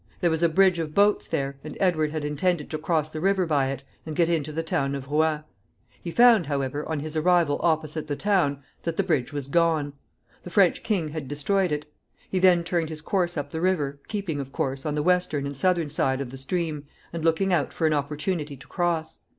There was a bridge of boats there, and Edward had intended to cross the river by it, and get into the town of Rouen. He found, however, on his arrival opposite the town, that the bridge was gone. The French king had destroyed it. He then turned his course up the river, keeping, of course, on the western and southern side of the stream, and looking out for an opportunity to cross.